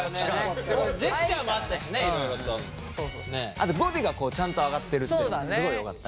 あと語尾がこうちゃんと上がってるっていうのはすごいよかった。